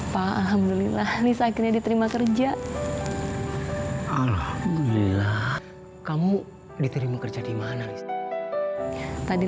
pak alhamdulillah nisa akhirnya diterima kerja alhamdulillah kamu diterima kerja dimana tadi